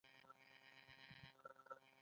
دوی به ډېرې ګټې په خپلو جېبونو کې پټولې